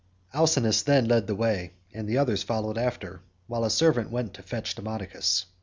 Alcinous then led the way, and the others followed after, while a servant went to fetch Demodocus.